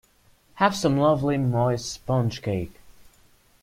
Have some lovely moist sponge cake.